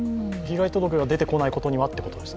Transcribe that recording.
被害届が出てこないことにはということですか？